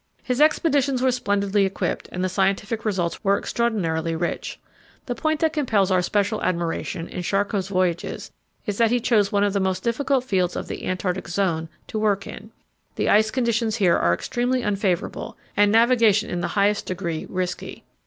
His expeditions were splendidly equipped, and the scientific results were extraordinarily rich. The point that compels our special admiration in Charcot's voyages is that he chose one of the most difficult fields of the Antarctic zone to work in. The ice conditions here are extremely unfavourable, and navigation in the highest degree risky.